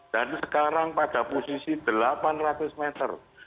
dan sekarang pada posisi delapan ratus meter